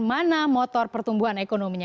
mana motor pertumbuhan ekonominya